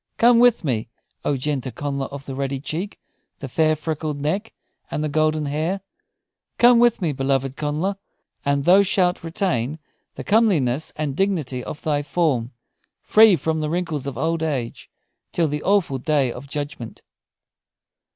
Come with me, O gentle Connla of the ruddy cheek, the fair, freckled neck, and the golden hair! Come with me, beloved Connla, and thou shalt retain the comeliness and dignity of thy form, free from the wrinkles of old age, till the awful day of judgment."